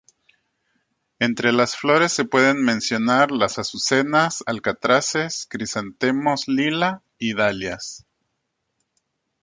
Entre las flores se pueden mencionar: las azucenas, alcatraces, crisantemos lila y dalias.